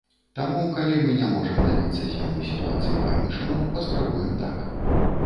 Таму, калі мы не можам дабіцца змены сітуацыі па-іншаму, паспрабуем так.